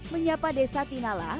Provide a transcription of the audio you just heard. menyapa desa tinala